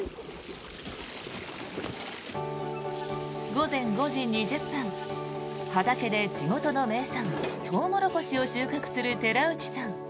午前５時２０分畑で地元の名産トウモロコシを収穫する寺内さん。